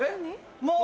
もう！